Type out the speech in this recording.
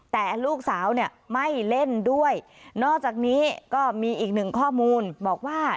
แต่ลูกสาวเนี่ยไม่เล่นด้วยนอกจากนี้ก็มีอีกหนึ่งข้อมูลบอกว่า